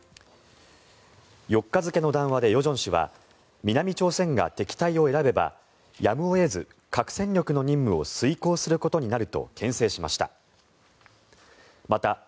４日付の談話で与正氏は南朝鮮が敵対を選べばやむを得ず、核戦力の任務を遂行することになるとけん制しました。